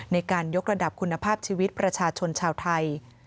ในการยกระดับคุณภาพชีวิตประชาชนชาวไทย